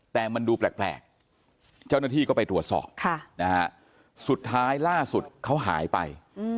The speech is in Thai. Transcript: แต่มันดูแปลกเจ้าหน้าที่ก็ไปตรวจสอบสุดท้ายล่าสุดเขาหายไป